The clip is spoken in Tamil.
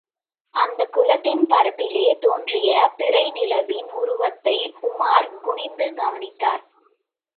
அந்தக்குளத்தின் பரப்பிலே தோன்றிய பிறை நிலவின் உருவத்தை உமார் குனிந்து கவனித்தான்.